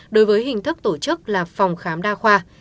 đối với hình thức tổ chức là phòng khám đa khoa